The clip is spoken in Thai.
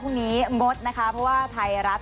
พรุ่งนี้หมดนะคะเพราะว่าไทยรัฐ